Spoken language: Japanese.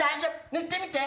塗ってみて。